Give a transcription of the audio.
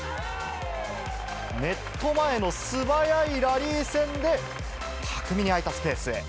ネット前の素早いラリー戦で、巧みに空いたスペースへ。